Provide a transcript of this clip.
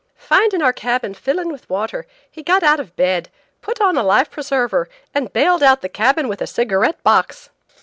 "Finding our cabin filling with water, he got out of bed, put on a life preserver and bailed out the cabin with a cigarette box!"